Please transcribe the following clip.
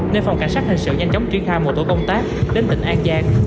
nên phòng cảnh sát hình sự nhanh chóng triển khai một tổ công tác đến tỉnh an giang